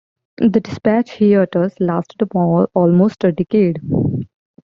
The Dispatch hiatus lasted almost a decade.